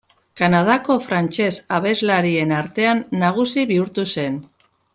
Kanadako frantses abeslarien artean nagusi bihurtu zen.